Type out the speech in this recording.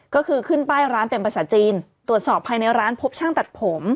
ก็คือขึ้นป้ายร้านเป็นภาษาจีนตรวจสอบภายในร้านพบช่างตัดผม